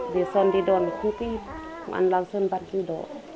vì son đi đoàn một khu kỳ con an lăng sơn bắt đi đó